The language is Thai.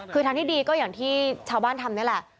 คือทางที่ดีก็อย่างที่ชาวบ้านทำนี่แหละ